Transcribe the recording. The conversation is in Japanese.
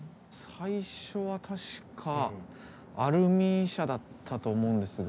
最初は確かアルミ車だったと思うんですが。